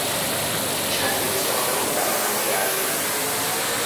چندین ساختمان بنا نهادهاند.